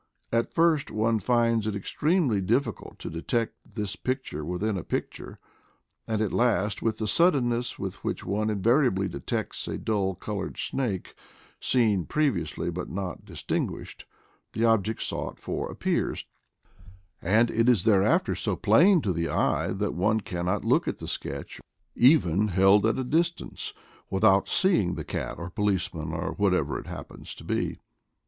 At first one finds it extremely difficult to detect this picture within a picture; and at last — with the suddenness with which one invariably detects a dull colored snake, seen previously but not dis* tinguished — the object sought for appears, and is thereafter so plain to the eye that one cannot SIGHT IN SAVAGES 173 look at the sketch, even held at a distance, without seeing the cat, or policeman, or whatever it hap pens to be.